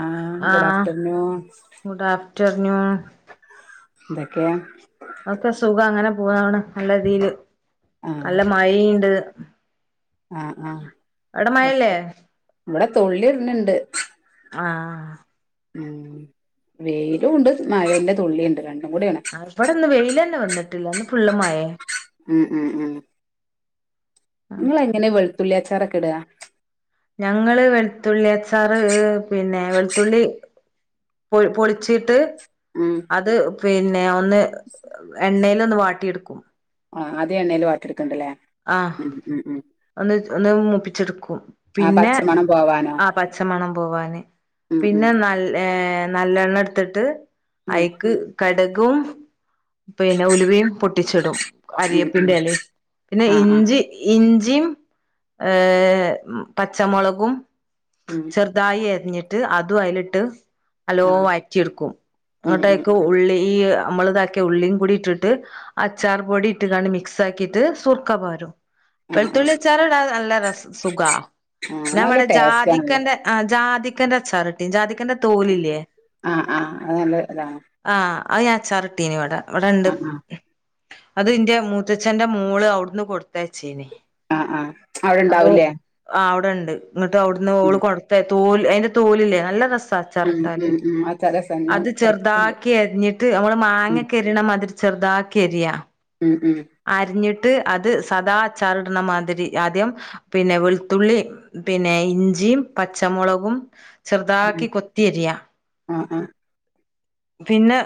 ആഹ് good afternoon റ്റർനൂൺ ന്തക്കെയാ ഒക്കെ സുഖം അങ്ങനെ പൂവാണ് നല്ല ഇതീല് ആഹ് നല്ല മയീണ്ട് ആഹ് ആഹ് അവിടെ മഴല്ലേ [unintelligible] ഇവടെ [inaudible] ണ്ട് ആഹ് ഉം വെയിലൂണ്ട് മയേൻ്റ തുള്ളീണ്ട് ആഹ് ഇവടിന്ന് വെയിലന്നെ [inaudible] ട്ടി [inaudible] ഉം ഉം ഉം ഇങ്ങളെങ്ങനേ [inaudible] ഉള്ളിയച്ചാറൊക്കെ ഇട്ആ ഞങ്ങള് വെളുത്തുള്ളിയച്ചാറ് പിന്നേ വെളുത്തുള്ളി പൊയ് പൊളിച്ചീട്ട് ഉം അത് [inaudible] പിൻ ന്നെ ഒന്ന് എണ്ണേല് ട്ടൊന്ന് വാട്ടിയെടുക്കും ആഹ് ആദ്യം എണ്ണേല് വാട്ടിയെടുക് ആഹ് ഒന്ന്ച് ഒന്ന് മൂപ്പി ച്ചെടു ക്കും. ആ പിന്നെ പച്ചമണം പോവാനോ ആഹ് പച്ചമണം പോവാന് ഉം പിന്നെ ഉം നൽ ഏ നല്ലെണ്ണെടുത്തിട്ട് ഉം അയിക്ക് കടുക് കും പിന്നെ ഉലുവയും പൊട്ട് ട്ടിച്ചിടും. ഉം കരിയേപ്പിൻ്റ ഉം എലേം പിന്നെ ആഹ് ആഹ് ഇഞ്ചി ഇൻ ഞ്ചിം ഏഹ് പച്ചമൊളകും ഉം ചെറുതായി അരിഞ്ഞി ട്ട് അതു അതിലിട്ട് നല്ലോം ആഹ് വയറ്റി എടുക്കും. ഉം എന്നിട്ട് ഉം അഴിക്ക് ഉള്ളീ നമ്മള് ഇതാക്കിയ ഉള്ളിയും കൂടി ഇട്ടിട്ട് അച്ചാർ പൊടി ഇട്ട് കാണ്ട് മിക്സ് ആക്കിട്ട് സുർക്കപാരും ആഹ് ആഹ് വെളുത്തുള്ളി ആഹ് അച്ചാറിടാൻ നല്ല രസ് സുഖാ, അത് നല്ല പിനമ്മടെ ടെ ടേസ്റ്റ് ആണല്ലേ ജാതിക്കന്റെ ആ ജാതി ക്കന്റെ അച്ചാറിട്ട് ജാതി ക്കന്റെ തോലില്ലേ ആഹ് ആഹ് അത് നല്ല ഇതാണ് ആ അത് ഞാൻ അച്ചാറിട്ടീനീ ഇവിടെ ഇവിടണ്ട് ആഹ് ആഹ് അത് ഇന്റെ മൂത്തച്ഛന്റെ മോള് ഔ കൊടുന്ന് കൊടുത്തയച്ചീനീ ആഹ് ആഹ് അവിടെണ്ടാവൂലേ ടണ്ട്. ഇങ്ങട്ട് അവിടുന്ന് ഓള് കൊണ്ടത്ത തോൽ അതിന്റെ തോലില്ലേ നല്ല രസ് സാ ഉം ച്ചാറിട്ടാല്. ഉം ഉം അച്ചാ രസാണ് ഞാൻ അത് കഴിച്ചിട്ടുണ്ട് ചെറുതാക്കി അരിഞ്ഞിട്ട് നമ്മള് ഉം മാങ്ങക്കെ അരിയണ മാതിരി ചെറുതാക്കി അരിയ ഉം ഉം ട്ട് അത് സദാച്ചാറിടുന്ന മാതിരി ആദ്യം പിന്നെ വെളുത്തുള്ളി പിന്നെ ഇഞ്ചിയും പച്ചമുളകും ചെറുതാക്കി കൊത്തിയരിയാ ആ ആ പിന്നെ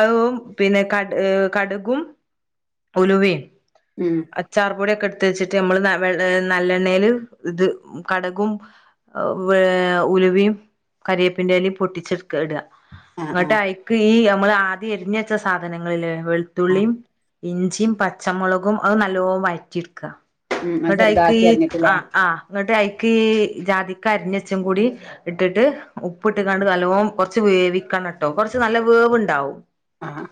അയും പിന്നെ കടു കടുകും ഉലുവയും ഉം അച്ചാർ പൊടിയൊക്ക ത്തച്ചിട്ട് നമ്മള് വെ നല്ലെണ്ണൽ ഇത് കടകും ഏ ഉലുവിയും കറിവേപ്പിൻന്റെറലും പൊട്ടിച്ചെടുക്ക ഇട ആഹ് ഇങ്ങട്ട് ആഹ് അഐക്ക് ഈ എമ് നമ്മൾ ആദ്യം എരിഞ്ഞ വച്ച സാധനങ്ങളിലെ ആഹ് വെളുത്തുള്ളിയും ഇഞ്ചിയും പച്ചമുളകും അത് നല്ലോ വഴറ്റിെടുക്കുക ഉം അത് ഇങ്ങട്ട് ഈ ചെറുതാക്കി അരിഞ്ഞിട്ടില്ലേ ആ ആ ഇങ്ങട്ട് അഐക്ക് ജാതിക്ക അരിഞ്ഞച്ചതും കൂടി ഇട്ടിട്ട് ഉപ്പ് ഇട്ട് കാണ്ട് നലോവും കുറച്ച് വേവിക്കണം കുറച്ച് നല്ല വേവ് ഉണ്ടാവും ആ ഹ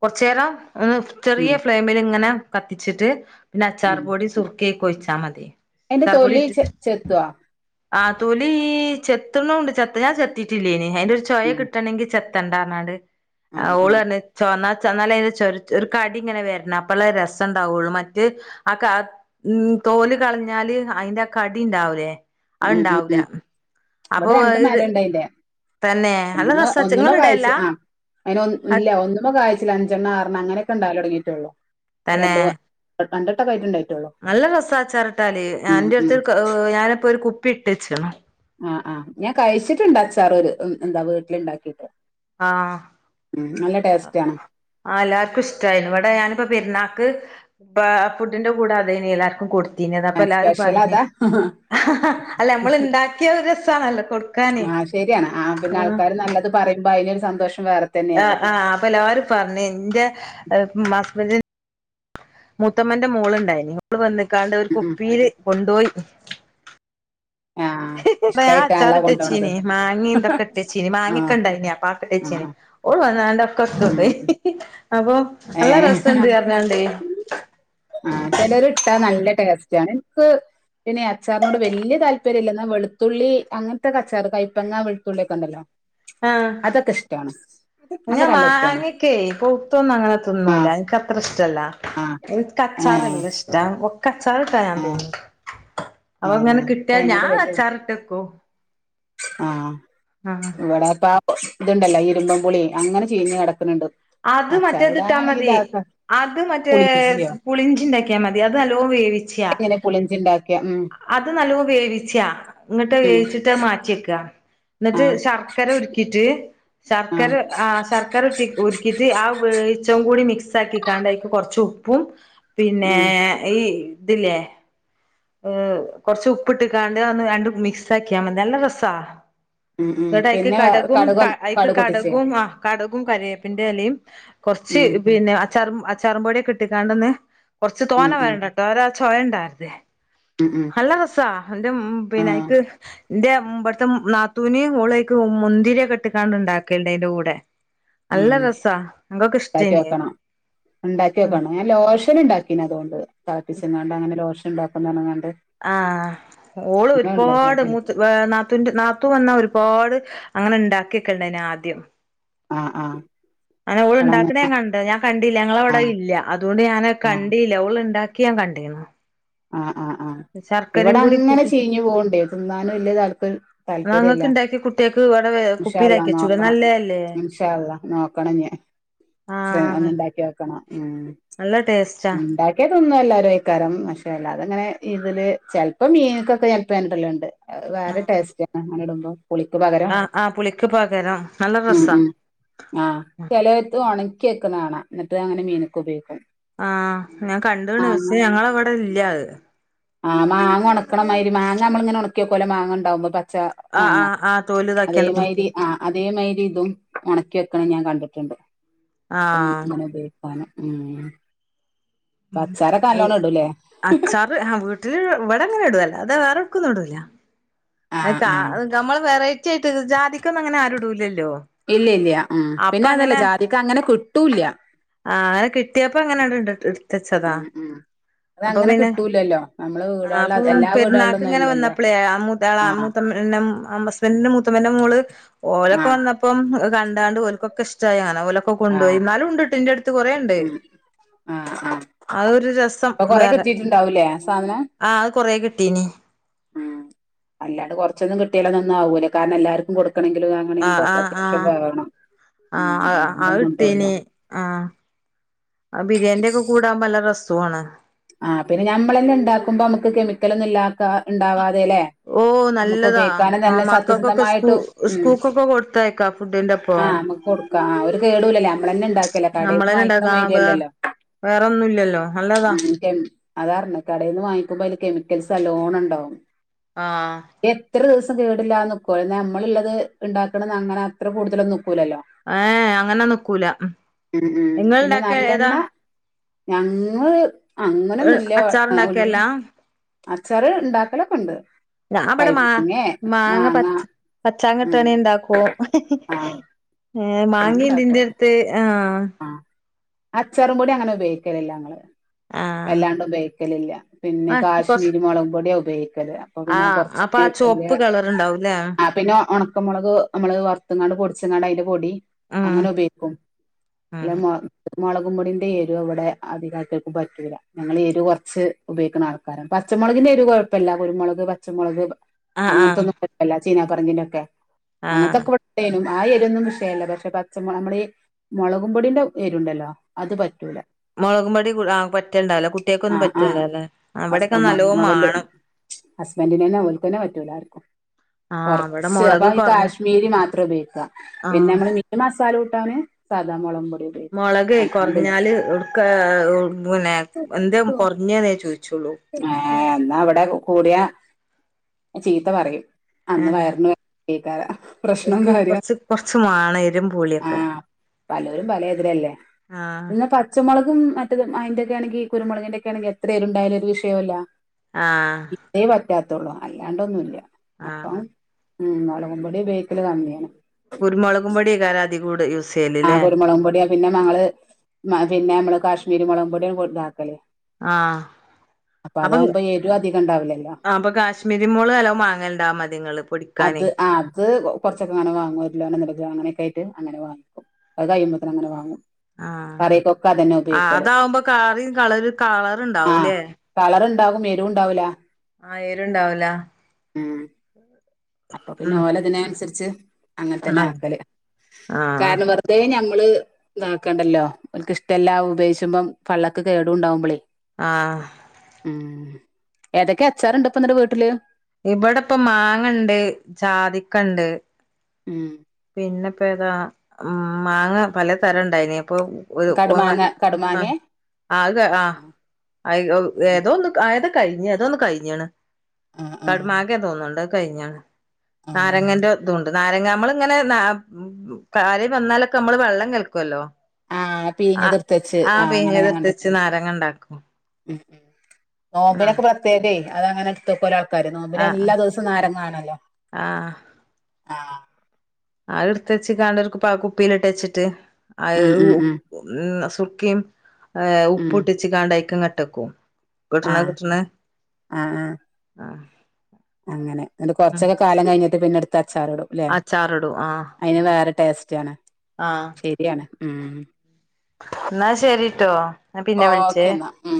കുറച്ചേരം ഉം ചെറിയ ഫ്ലെയിമിൽ ഇങ്ങനെ കത്തിച്ചിട്ട് പിന്നെ ഉം അച്ചാർപൊടി സുർക്ക ഒയ്ച്ചാമതി അയിന്റെ തൊലി ചെ ചെത്തുഓ ആ തൊലീ ചെത്തണൂണ്ട് ചെത്തി ഞാൻ ചെത്തീട്ടില്ലെനി. അയിന്റൊരു ഉം ചോയോക്കിട്ടണെങ്കിൽ ചെത്തണ്ടാ പറഞ്ഞാണ്ട് ആ ആഹ് ഓള് ആഹ് പറഞ്ഞു ചുവന്ന തന്നാലേ ഇത് ചെറു ചെറു കടിങ്ങനെ വെരുള്ളു അപ്പളേ രസണ്ടാവൊള്ളൂ മറ്റേ ആ കാ തോല് കളഞ്ഞാല് അയിന്റെ കടിണ്ടാവൂലേ. ഉം ഉം അയ്ണ്ടാവൂല ഉം അപ്പോ ഇവിടെ രണ്ട് ഇത്, മരണ്ട് തന്നേ, നല്ല രസാ? ഒന്നുമ്മേ ഇങ്ങള് ഇടേല്ല കായ്ച്ചു ആ അതിനൊന് ഇല്ല ഒന്നുമ്മേ കായ്ച്ചില്ല അഞ്ചെണ്ണം അർ അങ്ങനെയൊക്കെ ഉണ്ടാകല് തുടങ്ങിയിട്ടുള്ളൂ തന്നേ? രണ്ടട്ടക്കായിട്ടൊണ്ടായി. നല്ല രസാ അച്ചാറിട്ടാല്, ഉം എന്റടുത്തൊരു, [unintelligible] ഞാനിപ്പോ ഒരു കുപ് പ്പിയിട്ടുച്ക്കണ്. ആ ആ ഞാൻ കയിച്ചിട്ടുണ്ടച്ചാറ് ഉം ന്താ വീട്ടിലുണ്ടാക്കീട്ട്. ആ ടേസ്റ്റ് ആണ് ആ എല്ലാർക്കു ഇസ്റ്റായിന് ഇവിടെ ഞാനിപ്പോ പെരുന്നാക്ക് ആ ഫുഡിന്റെ കൂടെ അത് ഇനി എല്ലാർക്കും കൊട് ത്തീനത് അപ്പോ എല്ലാരും സ്പെഷ്യൽ പറഞ്ഞ്, അതാ അല്ലമ്മളിണ്ടാക്കിയത് ഒരു ഇത്താണല്ലോ കൊട് ആ ശരിയാണ് ആ പിന്നാൾകാര് നല്ലത് പറയു [unintelligible] യിലൊരു സന്തോഷം. വേറെ ആ തന്നെയല്ലേ ആ അപ്പ എല്ലാവരും പറഞ്ഞ് ന്റെ. ഹസ്ബന്റിന് മൂത്തുമ്മേന്റെ മോളുണ്ടായിരുന്നു അവള് വന്നിട്ട് ക്കാണ്ടവർക്കു ഉം ഉം ഉപ്പേരി കൊണ്ടോയി. ആഹ് പ്പ ഞാൻ ഇഷ്ടായിട്ടാണല്ലോ കൊണ്ടോണത് അച്ചാറിട്ടുവച്ചീന് മങ്ങേ തൊക്കെയിട്ടുവച്ചിന് ആഹ് മാങ്ങക്കൊണ്ടാരുന്നേ അപ്പം. ഇട്ടുവച്ചീന് ആഹ് ഓള് പ്പതോണ്ട് [unintelligible] [unintelligible] എയ് ആ ചെലരിട്ടാ നല്ല ടേസ്റ്റ എനക്ക് പിന്നെയീ അച്ചാറിനോട് വല്ല്യ താല്പര്യല്ല എന്നാ വെളുത്തുള്ളി അങ്ങനെത്തൊക്കെ അച്ചാറ്, കയ്പങ്ങ വെളുത്തുള്ളി ഒക്കേണ്ടല്ലോ. ആ ന്നെ അതൊക്കെ നല്ല ഇഷ്ടാണ് മാങ്ങക്കേ കുത്തുന്ന്വങ്ങനെ. കുത്തൊന്ന്വല്ല. ആഹ് എനിക്കത്രിഷ്ടല്ല. ആഹ് ഏഹ് എനിക്കച്ചാറല്ലിഷ്ടം ഒക്കെ. താഴെത്തരാണെന്നു ഏഹ് തോന്നുന്നു. അത് ഏഹ് എങ്ങാനും കിട്ടിയാൽ ഞാൻ അച്ചാർ ഇട്ടു വയ്ക്കും ആ ഇവിടെ ഇപ്പം ഇതുണ്ടാലോ ഈ ഇരിമ്പിമ്പുളി അങ്ങനെ ചീഞ്ഞു കിടക്കാനുണ്ട് അത് മറ്റേതിട്ടാ മതി അത് മറ്റേ പുളിഞ്ചിയോ പുളിഞ്ചിണ്ടാക്കിയാ മതി അത് നല്ലോ വേവിച്ച്യാ എങ്ങനെ പുളിഞ്ചി ഉണ്ടാക്കിയ ഉം അത് നല്ലോ വേവിച്ച്യ ഇങ്ങട്ട് ഉം വേവിച്ചിട്ട് മാറ്റിവെക്കാ എന്നിട്ട് ആഹ് ശർക്കര ഉരുക്കിട്ട് ശർക്കര ആഹ് ആ ശർക്കര ഉരുട്ടി ഉരുക്കിട്ട് ആ വേവിച്ച കൂടി മിക്സ് ആക്കിക്കാണ്ട് കൊറച്ച് ഉപ്പും പിന്നെ ഉം ഈ ഇതില്ലേ കൊറച്ച് ഉപ്പിട്ട് കാണ്ട് ആന്ന് രണ്ടും മിക്സ് ആക്കിയാ മതി നല്ല രസാ ഉം ഉം എടായ്ക്ക് പിന്നെ കടകും കടുക് ഐക്ക് കടുക് പൊട്ടിച്ചേ കടകും ആ കടകും കറിവേ - പിന്നെലയും കൊറച്ച് ഉം പിന്നെ അച്ചറും അച്ചാറ് പൊടിയൊക്കെ ഇട്ടിക്കാണ്ടൊന്ന് കൊറച്ച് ഉം തോനെ ഉം വേണ്ടട്ടോ ഒരു അ ചൊയ ഇണ്ടാണ്ടെ ഉം ഉം നല്ലാ രസാ അയിന്റെ മ് പിന്നെ ആഹ് ഇത് ന്റെ ഉമ്പെടുത്ത നാത്തൂന് ഓളേയ്ക്കും മുന്തിരിയൊക്കെട്ട്ക്കാണ്ട് ഇണ്ടാക്കലിണ്ടേനൂടെ ഉം ഉണ്ടാക്കിയോക്കണം ഒണ്ടാക്കിയോക്കണം ഞാൻ ലോഷനിണ്ടാക്കിനതോണ്ട് തെള പ്പിച്ചാണ്ടിങ്ങനെ ലോഷ് ഇണ്ടാക്കുന്നനങ്ങ ആ ഓള് ഉണ്ടാക്കി ഒരുപാട് നോക്കീന് മൂത്ത് വേ നാത്തൂന്റെ നാത്തൂ വന്നാ ഒരുപാട് അങ്ങനെ ഇണ്ടാക്കിവെക്കലു ണ്ടേനു ആദ്യം ആ ആ അങ്ങനെ ഓള് ഉണ്ടാക്കണെ ഞാൻകണ്ട് ഞാൻ കണ്ടില്ല ഞങ്ങളവിടെ ആഹ് ഇല്ല അതുകൊണ്ട് ഞാന് ആഹ് കണ്ടീല്ല ഓള് ഇണ്ടാ ക്ക്യാൻ കണ്ടീനു ആ ആ ആ ഇവിടെ അങ്ങനെ കൂട്ടി ചീഞ്ഞു പോണ്ടേന്നു തിന്നാനും വല്യ താല്പരൃ ന്നാ ഇങ്ങക്ക് താല്പര്യംഇല്ല ഇണ്ടാക്കി കുട്ട്യേക്ക് ഇവിടെ ഇൻഷാ അള്ളാ കുപ്പിയിലാക്കി വെച്ചൂടെ നോക്കണം നല്ലേല്ലേ ഇൻഷാ അള്ളാ നോക്കണം ഞാൻ ചെ ആഹ് ഒന്നുണ്ടാക്കിയോക്കണം ഉം നല്ല ടേസ്റ്റാ ഇണ്ടാക്കി ഇതുയൊന്നും അല്ല ഒരേക്കാരം പക്ഷെ അല്ലാതെങ്ങനെ ഇതില് ചെലപ്പോ മീനൊക്കെ ഇട്ട് ഞാൻ ഇടലിണ്ട് അത് വേറെ ടേസ്റ്റാ അ അങ്ങനെ ഇടുമ്പം പുളിക്ക് പകരം ആഹ് ആഹ് പുളിക്ക് പകരം നല്ല മ് രസാ മ് ആ ചെലേത്തു ആണെ ഒണക്കി വെക്കുന്ന കാണാ എന്നിട്ട്അങ്ങ മീനുക്ക് ഉപയോഗിക്കും ആ ഞാൻ കണ്ട്ണ് പക്ഷേ ഞങ്ങടവിടെ ഇല്ലാത് ആ മാങ്ങ ഒണക്കണമാതിരി മാങ്ങമ്മൾ ഇങ്ങനെ ഒണക്കി വെക്കൂലേ മാങ്ങാണ്ടാകുമ്പം പച്ച ആഹ് മാങ്ങ ആഹ് ആഹ് തോല് ഇതാക്കിയാണ്ട് പുളിക്ക് അതേമായിരി ആ അതേമായിരി ഇതും ഒണക്കിവെക്ക ക്കണ ഞാൻ കണ്ടിട്ടിണ്ട് ആഹ് [unintelligible] [unintelligible] ഉം അച്ചാറൊക്കെ എഹ് നല്ലോണം ഇടൂലേ അച്ചാറ് ഹാ വീട്ടിൽ വ് ഇവിടങ്ങനാ ഇടുവേല അത് വേറൊക്കൊന്ന്ടൂല അത് ആഹ് കാ ആഹ് നമ്മൾ വെറൈറ്റി ആയിട്ട് ജാതിക്ക ഒന്നും അങ്ങനെ ആരും ഇടൂല്ലല്ലോ ഇല്ല ഇല്ല ഉം അപ്പ പിന്നെ അതല്ല അങ്ങനെ ജാതിക്ക അങ്ങനെ കിട്ടൂല്ല ആ അങ്ങനെ കിട്ടിയപ്പം അങ്ങനെ ഇടട്ട് [unintelligible] ഉം ഉം അത് അങ്ങനെ കിട്ടൂലല്ലോ നമ്മള് ആഹ് വീടുകളില് അപ്പം എല്ലാ വീടുകളിലൊന്നും അതില്ലലോ എളാ മൂത്തമ്മേ നം ഹമുസ്ബന്റിന്റെ മൂത്ത പ്പ്ന്റെ മോള് ഓരോക്കെ ആഹ് വന്നപ്പം അത് കണ്ടാണ്ട് ഓൽകൊ ക്കിഷ്ടായി ആന ഓലം ഒക്ക കൊണ്ടോയി ആഹ് ന്നാലും ഇണ്ട്ട്ടോ ഇന്റട്ത്ത് കൊറേ ഇണ്ട് ഉം ആഹ് ആഹ് അത് ഒരു രസം അപ്പൊ കൊറെ ബേറെ കിട്ടിയിട്ടുണ്ടാവൂലേ ആ സാധനം ആഹ് അത് കൊറേ കിട്ടീന് ഉം അല്ലാണ്ട് കൊറച്ചൊന്നും കിട്ടിയാലൊന്നൊന്നു ആവൂല കാരണം എല്ലാർക്കും കൊട് ക്കണെങ്കിലും [unintelligible] ആഹ് കൊർച്ച് ആഹ് അത്യാവശ്യം ആഹ് വേവണം ഉം ആഹ് അ അത് ഇട്ടീനി ആ [unintelligible] ആ പിന്നെ ഞമ്മളെന്നെണ്ടാക്കുമ്പം മ്മക്ക് കെമിക്കലൊന്നും ഇല്ലാത്ത ഇണ്ടാവ ഓ നല്ലതാ ആ തന്നെ മക്കൊക്കെ സ്‌കൂ സത്യസന്ധമായിട്ട് ഉം സ്കൂകൊക്കെ കൊടുത്ത് അയക്കാ ആഹ് ഫുഡിന്റൊപ്പം നമുക്ക് കൊടുക്കാം ആ ഒരു കേടൂലല്ലേ നമ്മളന്നെ ഉണ്ടാക്കല്ലേ കടേന്ന് നമ്മളെന്നെ വാങ്ങിക്കണ ണ്ടാക്ക മാതിരിയല്ലല്ലോ വേറൊന്നുല്ല ല്ലോ നല്ലതാ കെമി അതാ പറഞ്ഞേ കടേന്ന് വാങ്ങിക്കുമ്പോ അയ്ല് കെമിക്കൽസ് നല്ലോണം ണ്ടാവും ആഹ് എത്ര ദിവസ പ്പൊ കേടില്ലാതെ നിക്കുല്ലോ ന്നാ നമ്മളിള്ളത് ഇണ്ടാക്കണത് അങ്ങന അത്ര കൂടുതലൊന്നും നി ഏ അങ്ങനെ നിക്കൂല ഉം ഉം പിന്നെ ഇങ്ങൾണ്ടാക്ക ഏതാ നല്ലെണ്ണ ഞങ്ങള് അങ്ങനൊന്നുല്ല അച്ചാർ ഉണ്ടാക്കല്ല ഉലുവേം അച്ചാറ് ഇണ്ടാക്കലൊക്കെ ഇണ്ട് ഞാൻ ഇബ്ട മാ മാങ്ങ പച്ച പച്ചാങ്ങ ഇട്ട് ഉം വേണേ ഇണ്ടാക്കും ഹ് ഹ് ആഹ് ഹ് ഹ് മാങ്ങാ ഇണ്ട് ഇന്റട്ത്ത് ആഹ് അ അച്ചാറും പൊടി അങ്ങനെ ഉപയോഗിക്കില്ല ഞങ്ങള് ആഹ് വല്ലാണ്ടു പയോഗി- ക്കലില്ല പിന്നെ ആ കൊറച്ച് കാശ്മീരി മുളകും പൊടിയാ ഉപയോഗിക്കല് അപ്പോ ആ പിന്നെ അപ്പൊ കുറച്ച് ആ വല്ല്യേ ചുവപ്പ് കളർ ഉണ്ടാവൂല്ലേ ആ പിന്നെ ഒണക്ക മുളക് ഞമ്മള് വറത്തും കാണ്ട് പൊടിച്ചുങ്ങാണ്ട് അതിൻ്റെ പൊടീം ആഹ് അങ്ങനെ ഉപയോഗിക്കും ഇല്ല്യ ആഹ് മൊ മുളകുംപൊടീൻ്റെ എരു ഇവിടെ അധികം ആൾക്കാർക്ക് പറ്റൂല ഞങ്ങള് എരു കൊറച്ച് ഉപയോഗിക്കുന്ന ആൾക്കാരാ പച്ചമുളകിൻ്റെ എരു കൊഴപ്പില്ല കുരുമുളക് പച്ചമുളക് ആഹ് ആഹ് അങ്ങൻത്തൊന്നും പറ്റില്ല ചീന പറങ്കിന്റെക്കെ ആഹ് അങ്ങത്തൊക്കെ ഇവിടെ ഇണ്ടേന്നു ആഹ് എരുഒന്നും വിഷയല്ല പച്ചമുളകിൻ്റെ മുളകും പൊടീൻ്റെ എരുണ്ടല്ലോ അത് പറ്റൂല മുളകും പൊടി ആ പറ്റണ്ടാവില്ല കുട്ടികൾക്കൊന്നും ആഹ് ആഹ് പറ്റണ്ടാവില്ല അസ് ഇവിടെക്കെ നല്ലോ മാണം [unintelligible] അസ്ബൻ്റിനെന്നെ ഓൽക്കന്നെ പറ്റൂല ആഹ് ഇവിടെ കുറച്ച് അപ്പോ മുളക് ഈ കുറഞ്ഞ കാശ്മീരി മാത്രാ ഉപയോഗിക്ക പിന്നെ ആഹ് നമ്മള് മസാ ചാറൂട്ടാന് സാധാമുളകും പൊടി മുളക് അല്ലാണ്ടില്ല കൊറഞ്ഞാല് ഇവടൊത്തെ എന്തേ കുറഞ്ഞ്ന്ന് ചോദിച്ചോലും ഇന്നാ ഇവിടെ കൂടീയ ചീത്ത പറയും അന്ന് ആഹ് വയറിന് പറ്റേക്കാര്യം പ്രശ്‌നോം ഓൽക്ക് കാര്യാ കൊറച്ച് [unintelligible] ആ പലോരും പലേതിലല്ലേ ആഹ് എന്നാ പച്ചമുളകും മറ്റും അതിൻ്റെ ഒക്കെ ആണെങ്കിൽ കുരുമുളകിൻ്റെ ഒക്കെ ആണെങ്കിൽ എത്ര എരുണ്ടായാലും പ്രശ്നം ഇല്ല ആ [unintelligible] അല്ലാണൊന്നുല്ല്യ അ ആ ഉംമുളകും പൊടിഉപയോഗിക്കല് കമ്മിയാണ് കുരുമുളകും പൊടിയേക്കാരും ഇതീ കൂടെയൂസ് ആ കുരുമുളകും പൊടിയാ പിന്നെ ഞങ്ങള് പിന്നെ നമ്മടെ കാശ്മീരിമുളകും ഇവിടെ കൊടുന്നാക്കല് ആ അപ്പങ്ങ എരു അധികം ഉണ്ടാവില്ലല്ലോ അപ്പ കാശ്‌മീരി മുളക് നല്ലോ വാങ്ങ്ണ്ടാവും ഇങ്ങള് അത് പൊടിക്കാന് ആ അത് കൊറച്ചൊക്കെ അങ്ങനെ വാങ്ങും ഒരു കിലോ മുളക് അങ്ങനൊക്കെ ആയിട്ട് വാങ്ങും അത് കഴിയുമ്പത്തിനും അങ്ങിനെ വാങ്ങും കറിക്കൊക്കെ അതന്നെ ആ ഉപയോഗിക്കല് അതാകുമ്പം കളറ് കളറിൻ കളർ ണ്ടാകൂലെ റുണ്ടാകും എരുണ്ടാകൂല ആ ഇണ്ടാവൂല അപ്പം പിന്നെ ഓലതിന് ൻസര്ച് അങ്ങൻത്തന്നെ ആഹ് ആക്കല് ആഹ് കാരണം വെർതേ ഞമ്മ് ള് ഇതാക്കണ്ടല്ലോ ഓൽക്ക് ഇഷ്ടല്ലാ ഉപയോയ്ചുബ്ബം പള്ളക്ക് കേടുണ്ടാ ഉബളെ ആ മ് ഏതൊക്കെ അച്ചാറ്ണ്ട്പ്പം ന്നട്ട് വീട്ട്ല്? ഇബടപ്പം മാങ്ങണ്ട് ചാതിക്കണ്ട് മ് പിന്നപ്പേതാ മാങ്ങ പല തരം ഇണ്ടായിനീം പ്പം [unintelligible] കടുമാങ്ങ കടുമാങ്ങേ അ [unintelligible] കഴ്ഞ് എന്തോന്ന് കഴിഞീണ് ആഹ് ആഹ് കട്മാഗെ തോന്ന്ണ്ട കയ്ഞീണ് ആഹ് ന്നാരങ്ങൻ്റെ ദുൺ ട്ട് ന്നാരങ്ങ അമ്മള് ങ്ങനെ ന്നാ [unintelligible] ആരെ വന്നാൽ നമ്മൾ വള്ളം കലകല്ലോ ആ പീഞത് ഇട്ത്തെച്ച് ആ അങനെ ഞാൻ പിഴിഞ്ഞതെടുത്ത് കണ്ട് ക്ക് വെച്ച് നാരങ്ങ ഉണ്ടാക്കും മ് മ് ആഹ് ന്നോമ്പ്നൊക്കെ പ്രത്യേകെ അതങ്ങനെ ഇട്ത്തൊക്കൊ [unintelligible] കാരം ന്നോമ്പിന് ആഹ് എല്ലാ ആഹ് ദോസും ന്നാരങ്ങാണല്ലോ ആഹ് ആ അത് ഇട്തെച്ച്ങാണ്ട് ഒര് പ കുപ്പില്ട്ട് എചിട്ട് അ ഉം ഊ ഉം ഉം [unintelligible] തുർക്കിം [unintelligible] ഉം ഉപ്പും ട്ട് എച്ങാണ്ട് അയ്കങ്ങട് ട്ടക്കും കിട്ട്ണെ ആഹ് കിട്ട്ണെ ആഹ് ആഹ് ആ അങ്ങനെ ങട്ട് കൊണ്ടൊക്കെ കാലം കഴ്ഞ്ട്ട് പിന്നട് ച്ചാറ് ഇടു ലെ അച്ചാറിടും അയ്ന് വേറട്ത് ട്ടേസ്റ്റി ആണ് ശെരിയാണ് മ് ന്നാ ശെരിട്ടോ ഞം പിന്നെ വിള്ചേ ഓക്കെ എന്നാ ഉം